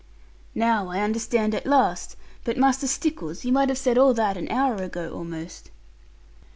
'Now I understand at last. But, Master Stickles, you might have said all that an hour ago almost.'